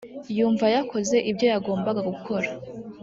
yumva yakoze ibyo yagombaga gukora